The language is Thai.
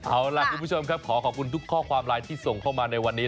เอาล่ะคุณผู้ชมครับขอขอบคุณทุกข้อความไลน์ที่ส่งเข้ามาในวันนี้